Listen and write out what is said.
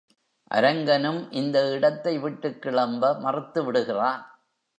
அரங்கனும் இந்த இடத்தை விட்டுக்கிளம்ப மறுத்து விடுகிறான்.